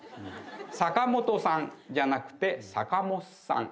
「坂本さん」じゃなくて「さかもっさん」。